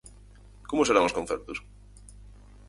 Como serán os concertos?